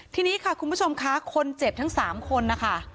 ทีนี้ค่ะคุณผู้ชมค่ะคนเจ็บทั้ง๓คนนะคะ